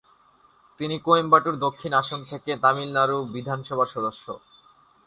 তিনি কোয়েম্বাটুর দক্ষিণ আসন থেকে তামিলনাড়ু বিধানসভার সদস্য।